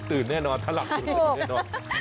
อยู่แน่นอนถ้าหลับอยู่แน่นอน